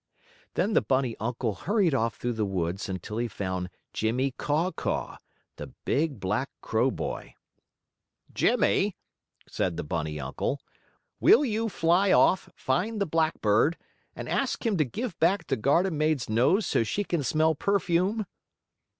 Then the bunny uncle hurried off through the woods until he found Jimmie Caw Caw, the big black crow boy. "Jimmie," said the bunny uncle, "will you fly off, find the blackbird, and ask him to give back the garden maid's nose so she can smell perfume?"